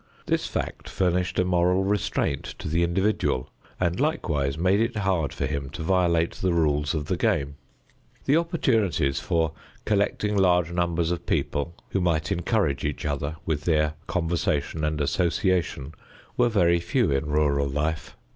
This fact furnished a moral restraint to the individual and likewise made it hard for him to violate the rules of the game. The opportunities for collecting large numbers of people who might encourage each other with their conversation and association were very few in rural life.